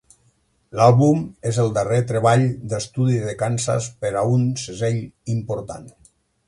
L'àlbum és el darrer treball d'estudi de Kansas per a un segell important.